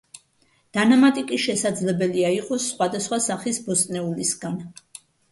დანამატი კი შესაძლებელია იყოს სხვადასხვა სახის ბოსტნეულისგან.